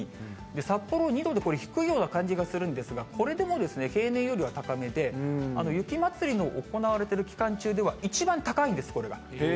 札幌２度で、これ、低いような感じがするんですが、これでも平年よりは高めで、雪まつりの行われている期間中では一番高いんです、これが。